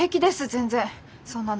全然そんなの。